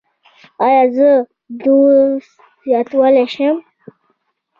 ایا زه دوز زیاتولی شم؟